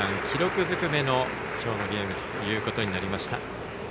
記録尽くめのきょうのゲームとなりました。